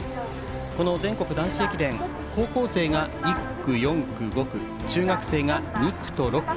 この全国男子駅伝高校生が１区、４区、５区。中学生が２区と６区。